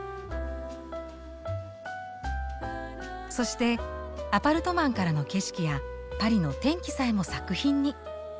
そしてアパルトマンからの景色やパリの天気さえも作品に。